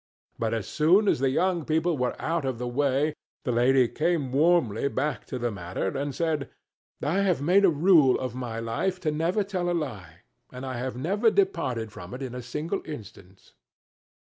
But as soon as the young people were out of the way, the lady came warmly back to the matter and said, "I have made a rule of my life to never tell a lie; and I have never departed from it in a single instance."